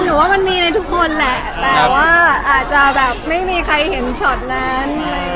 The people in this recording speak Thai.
ว่ามันมีในทุกคนแหละแต่ว่าอาจจะแบบไม่มีใครเห็นช็อตนั้น